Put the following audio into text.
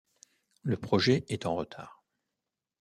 Le projet est en retard.